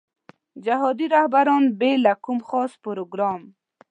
جهادي رهبرانو بې له کوم خاص پروګرام.